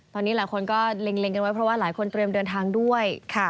ตอนนี้หลายคนก็เล็งกันไว้เพราะว่าหลายคนเตรียมเดินทางด้วย